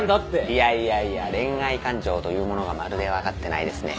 いやいやいや恋愛感情というものがまるで分かってないですね。